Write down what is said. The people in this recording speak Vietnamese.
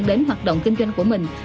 đến hoạt động kinh doanh của mình